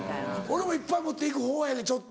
俺もいっぱい持っていく方やでちょっと。